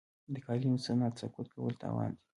د قالینو صنعت سقوط کول تاوان دی.